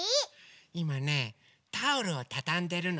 いまねタオルをたたんでるの。